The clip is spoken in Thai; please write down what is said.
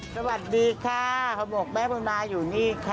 สวัสดีค่ะห่อหมกแม่บุญมาอยู่นี่ค่ะ